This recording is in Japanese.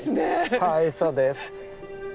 はいそうです。